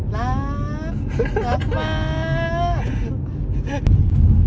รักรักมาก